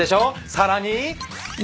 さらに。